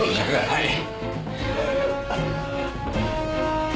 はい。